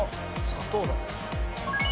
砂糖だね。